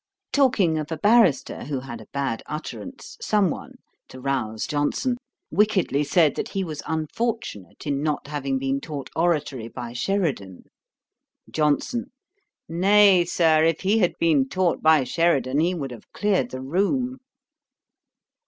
Talking of a Barrister who had a bad utterance, some one, (to rouse Johnson,) wickedly said, that he was unfortunate in not having been taught oratory by Sheridan. JOHNSON. 'Nay, Sir, if he had been taught by Sheridan, he would have cleared the room.'